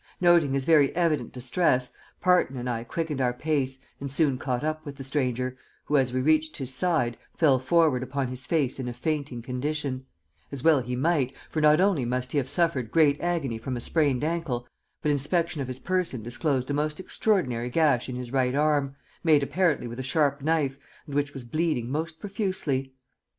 Noting his very evident distress, Parton and I quickened our pace and soon caught up with the stranger, who, as we reached his side, fell forward upon his face in a fainting condition as well he might, for not only must he have suffered great agony from a sprained ankle, but inspection of his person disclosed a most extraordinary gash in his right arm, made apparently with a sharp knife, and which was bleeding most profusely.